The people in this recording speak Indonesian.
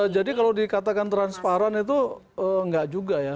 jadi kalau dikatakan transparan itu enggak juga ya